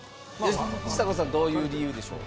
ちさ子さんどういう理由でしょう？